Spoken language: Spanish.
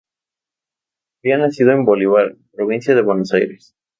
Había nacido en Bolívar, provincia de Buenos Aires.